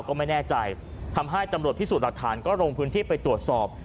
ก็ไม่แน่ใจทำให้ตำรวจพิสูจน์หลักฐานก็ลงพื้นที่ไปตรวจสอบ